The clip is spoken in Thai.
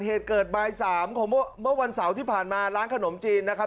เหตุเกิดบ่ายสามของเมื่อวันเสาร์ที่ผ่านมาร้านขนมจีนนะครับ